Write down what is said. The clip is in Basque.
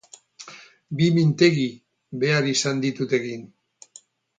Bi mintegi behar izan ditut egin.